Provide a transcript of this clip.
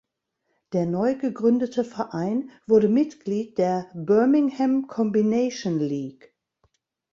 Der neu gegründete Verein wurde Mitglied der Birmingham Combination League.